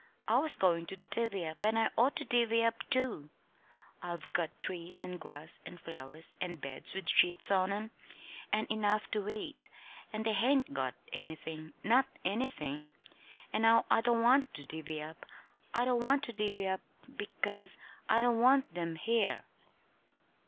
I was goin' to divvy up, and I ought to divvy up, too. I've got trees and grass and flowers and beds with sheets on 'em and enough to eat, and they hain't got anything not anything. And now I don't want to divvy up, I don't want to divvy up, because I don't want them here!"